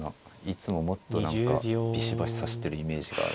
いつももっと何かビシバシ指してるイメージがあるので。